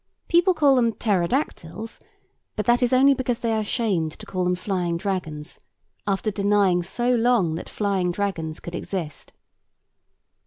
People call them Pterodactyles: but that is only because they are ashamed to call them flying dragons, after denying so long that flying dragons could exist.